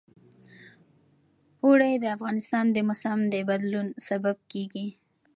اوړي د افغانستان د موسم د بدلون سبب کېږي.